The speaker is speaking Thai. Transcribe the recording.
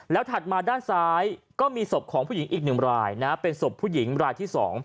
ถัดมาด้านซ้ายก็มีศพของผู้หญิงอีก๑รายเป็นศพผู้หญิงรายที่๒